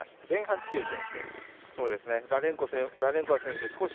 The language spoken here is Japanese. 前半強い選手です。